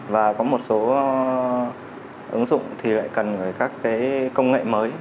và có một số ứng dụng thì lại cần phải các cái công nghệ mới